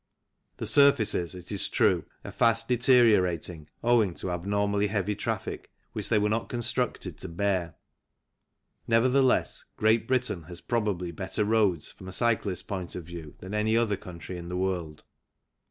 The surfaces, it is true, are fast deteriorating owing to abnormally heavy traffic which they were not constructed to bear ; nevertheless, Great Britain has probably better roads, from a cyclist's view point, than any other country in the world.